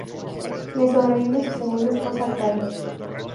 Le sobrevive su segunda esposa, Kay.